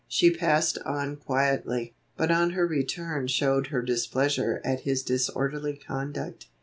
She passed on quietly, but on her return showed her displeasure at his disorderly conduct.